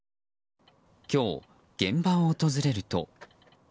今日、現場を訪れると。